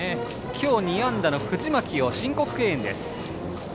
今日２安打の藤巻を申告敬遠です。